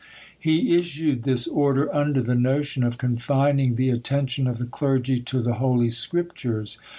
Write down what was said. He issued this order under the notion of confining the attention of the clergy to the holy scriptures!